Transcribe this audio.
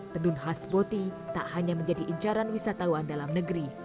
tenun khas boti tak hanya menjadi incaran wisatawan dalam negeri